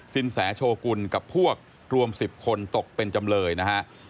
สินแสโชกุลกับพวกรวม๑๐คนตกเป็นจำเลยนะฮะ